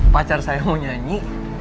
pacar saya mau nyanyi